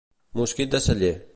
Mosquit de celler.